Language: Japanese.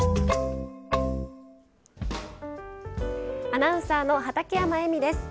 アナウンサーの畠山衣美です。